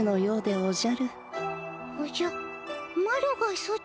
おじゃ？